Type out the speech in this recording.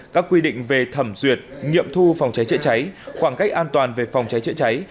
các quy định về thẩm duyệt nghiệm thu phòng cháy chữa cháy khoảng cách an toàn về phòng cháy chữa cháy